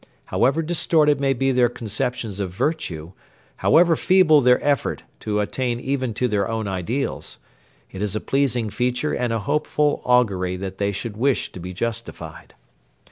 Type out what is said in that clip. However distorted may be their conceptions of virtue, however feeble their efforts to attain even to their own ideals, it is a pleasing feature and a hopeful augury that they should wish to be justified.